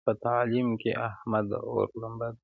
په تعلیم کې احمد د اور لمبه دی.